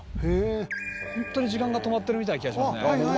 ホントに時間が止まってるみたいな気がしますね。